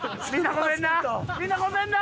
みんなごめんな！